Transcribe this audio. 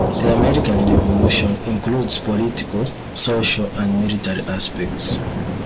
The American Revolution includes political, social, and military aspects.